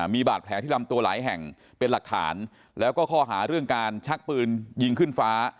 มีบาดแผลที่ลำตัวหลายแห่งเป็นหลักฐานแล้วก็ข้อหาเรื่องการชักปืนยิงขึ้นฟ้า